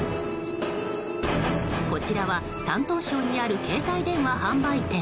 こちらは、山東省にある携帯電話販売店。